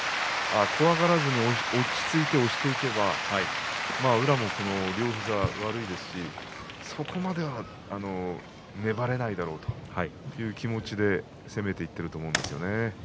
怖がらずに押していけば宇良も両膝が悪いですしそこまでは粘れないだろうという気持ちで攻めていっていると思うんです。